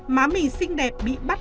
má mì xinh đẹp bị bắt